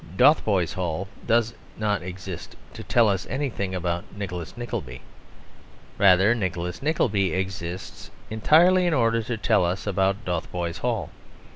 Dotheboys Hall does not exist to tell us anything about Nicholas Nickleby. Rather Nicholas Nickleby exists entirely in order to tell us about Dotheboys Hall.